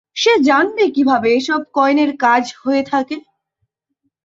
সে জানবে কীভাবে এসব কয়েনের কাজ হয়ে থাকে।